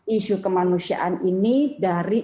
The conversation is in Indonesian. isu kemanusiaan ini dari